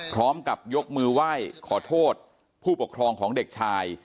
พร้อมกับยกมือไหว้ขอโทษผู้ปกครองของเด็กชาย